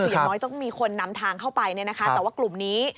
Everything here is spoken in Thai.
คืออย่างน้อยต้องมีคนนำทางเข้าไปแต่ว่ากลุ่มนี้